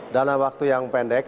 dan dalam waktu yang berlalu